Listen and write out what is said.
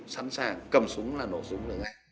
sẵn sàng cầm súng là nổ súng